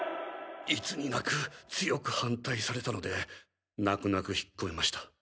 いつになく強く反対されたので泣く泣く引っ込めました。